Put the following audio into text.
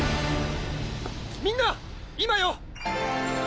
みんな今よ！